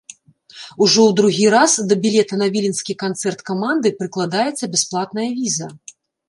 Ужо ў другі раз да білета на віленскі канцэрт каманды прыкладаецца бясплатная віза.